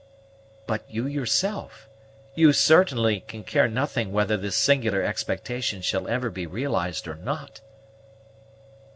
"But you yourself, you certainly can care nothing whether this singular expectation shall ever be realized or not?"